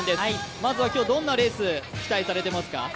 まずは今日どんなレースを期待されていますか？